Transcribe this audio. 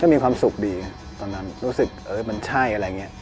มีความสุขดีไงตอนนั้นรู้สึกเออมันใช่อะไรอย่างนี้